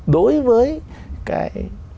đối với cái